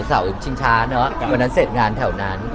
ไว้ลองไปลงที่ร้านเสร็จงานแถวนั้น